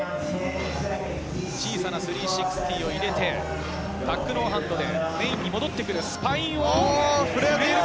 小さな３６０を入れて、タックノーハンドでメインに戻ってくる。